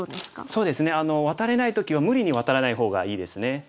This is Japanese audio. そうですねワタれない時は無理にワタらない方がいいですね。